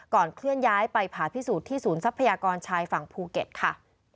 เคลื่อนย้ายไปผ่าพิสูจน์ที่ศูนย์ทรัพยากรชายฝั่งภูเก็ตค่ะ